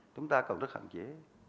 chúng ta còn rất hạn chế